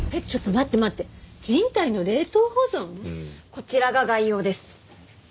こちらが概要です。